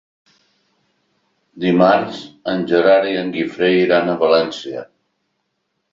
Dimarts en Gerard i en Guifré iran a València.